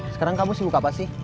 sekarang kamu sibuk apa sih